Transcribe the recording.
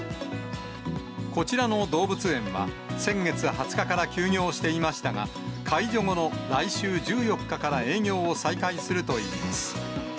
こちらの動物園は、先月２０日から休業していましたが、解除後の来週１４日から営業を再開するといいます。